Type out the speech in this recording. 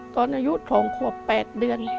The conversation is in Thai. ตอนอายุ๒ขวบ๘เดือน